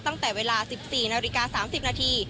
ตั้งแต่เวลา๑๔นาฬิกา๓๐นาที